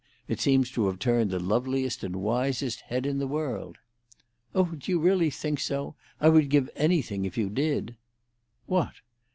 It seems to have turned the loveliest and wisest head in the world." "Oh, do you really think so? I would give anything if you did." "What?"